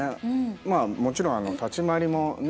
まあもちろん立ち回りもね